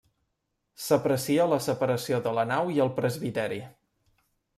S'aprecia la separació de la nau i el presbiteri.